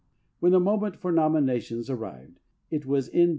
When the moment for nominations arrived, it was N.